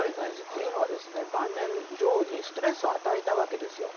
というのは晩年、女王にストレスを与えたわけですよ。